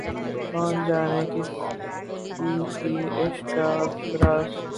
کون جانے کسی کے عشق کا راز